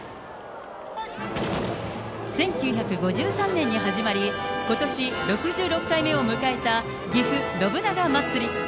１９５３年に始まり、ことし６６回目を迎えたぎふ信長まつり。